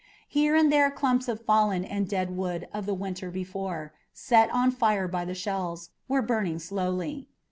Here and there clumps of fallen and dead wood of the winter before, set on fire by the shells, were burning slowly.